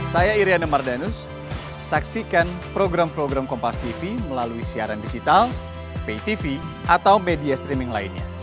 saya iryana mardanus saksikan program program kompastv melalui siaran digital paytv atau media streaming lainnya